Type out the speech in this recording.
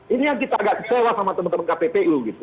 ini yang kita agak kecewa sama teman teman kppu gitu